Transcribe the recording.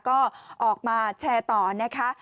ก็ออกมาแชร์ต่อนะคะ